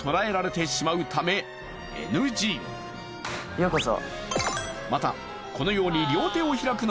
ようこそ。